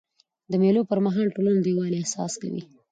د مېلو پر مهال ټولنه د یووالي احساس کوي.